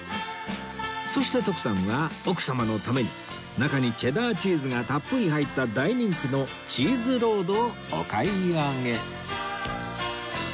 そして徳さんは奥様のために中にチェダーチーズがたっぷり入った大人気のチーズロードをお買い上げ